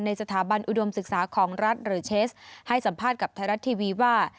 สถาบันอุดมศึกษาของรัฐหรือเชสให้สัมภาษณ์กับไทยรัฐทีวีว่า